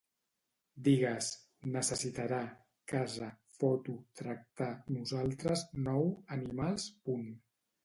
Digues: necessitarà, casa, foto, tractar, nosaltres, nou, animals, punt